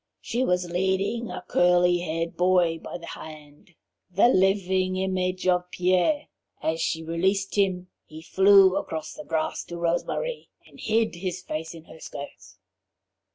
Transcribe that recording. She was leading a curly haired boy by the hand, the living image of Pierre. As she released him he flew across the grass to Rose Marie and hid his face in her skirts.